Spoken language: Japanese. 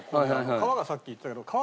皮がさっき言ってたけど皮が。